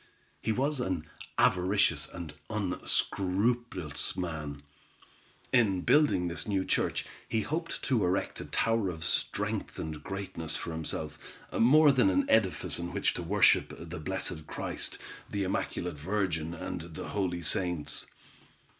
He was an avaricious and unscrupulous man. In building this new church, he hoped to erect a tower of strength and greatness for himself, more than an edifice in which to worship the blessed Christ, the immaculate Virgin, and the holy saints.